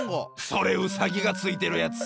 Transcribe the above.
それうさぎがついてるやつ！